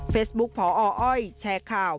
เฟซบุ๊กพออแชร์ข่าว